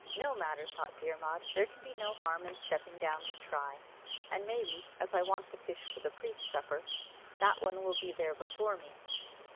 "No matter," thought Dermod, "there can be no harm in stepping down to try; and maybe, as I want the fish for the priest's supper, that one will be there before me."